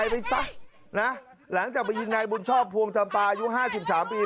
ลูกชายตัวเองไปด่าลูกชายตัวเองบอกตายไปซะนะหลังจากไปยินในบุญชอบพวงจำปายุห้าสิบสามปี